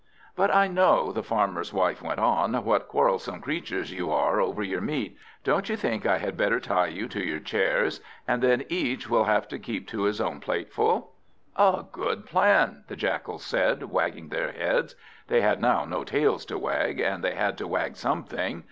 "But I know," the Farmer's wife went on, "what quarrelsome creatures you are over your meat. Don't you think I had better tie you to your chairs, and then each will have to keep to his own plateful?" "A good plan," the Jackals said, wagging their heads. They had now no tails to wag, and they had to wag something.